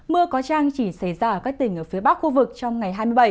mưa có trăng chỉ xảy ra ở các tỉnh ở phía bắc khu vực trong ngày hai mươi bảy